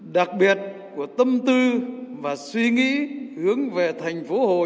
đặc biệt của tâm tư và suy nghĩ hướng về thành phố hồ chí minh